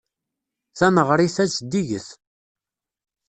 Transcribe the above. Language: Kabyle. Taneɣrit-a zeddiget.